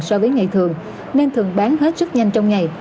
so với ngày thường nên thường bán hết sức nhanh trong ngày